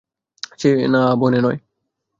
সেনা বনে নয়।